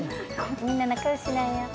みんな仲よしなんや。